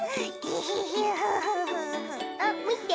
あっみて！